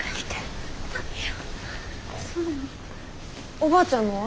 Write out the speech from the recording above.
おばあちゃんのは？